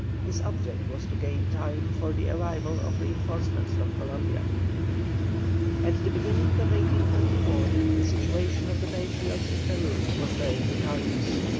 His object was to gain time for the arrival of reinforcements from Columbia. At the beginning of 1824 the situation of the Patriots in Peru was very precarious.